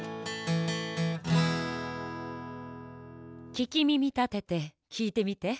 ききみみたててきいてみて！